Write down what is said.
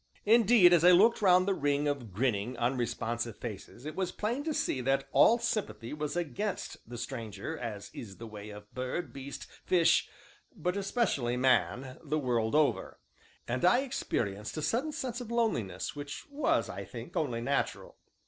Indeed, as, I looked round the ring of grinning, unresponsive faces, it was plain to see that all sympathy was against the stranger, as is the way of bird, beast, fish, but especially man, the world over and I experienced a sudden sense of loneliness which was, I think, only natural.